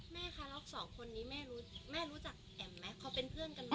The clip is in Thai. แม่คาร็อกสองคนนี้แม่รู้จักแอ่มไหมเขาเป็นเพื่อนกันไหม